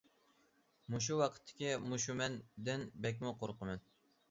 مۇشۇ ۋاقىتتىكى، مۇشۇ« مەن» دىن بەكمۇ قورقىمەن.